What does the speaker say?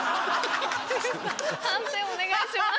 判定お願いします。